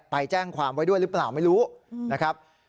ไปแจ้งความไว้ด้วยหรือเปล่าไม่รู้นะครับ